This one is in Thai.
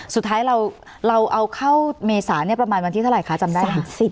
สุดท้ายเราเอาเข้าเมษาประมาณวันที่เท่าไหร่คะจำได้ไหม